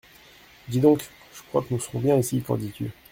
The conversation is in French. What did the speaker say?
Dis donc, je crois que nous serons bien ici… qu’en dis-tu ?